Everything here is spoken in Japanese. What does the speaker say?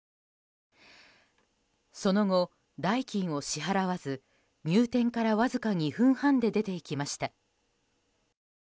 その後、代金を支払わず入店からわずか２分半で出て行きました。